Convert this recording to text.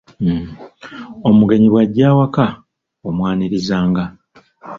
Omugenyi bw’ajja awaka omwanirizanga.